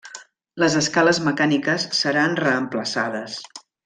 Les escales mecàniques seran reemplaçades.